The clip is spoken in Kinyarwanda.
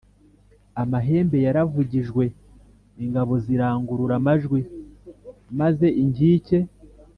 amahembe yaravugijwe ingabo zirangurura amajwi maze inkike